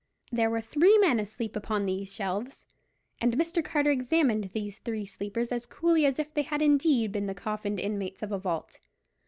There were three men asleep upon these shelves; and Mr. Carter examined these three sleepers as coolly as if they had indeed been the coffined inmates of a vault.